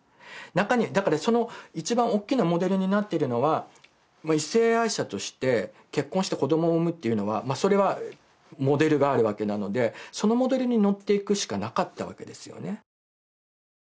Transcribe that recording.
中にはだからその一番おっきなモデルになってるのは異性愛者として結婚して子どもを産むっていうのはそれはモデルがあるわけなのでそのモデルにのっていくしかなかったわけですよね